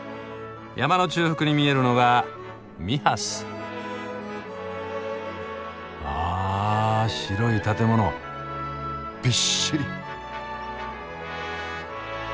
山の中腹に見えるのがわぁ白い建物びっしり。